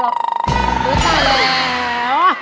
รู้ใจแล้ว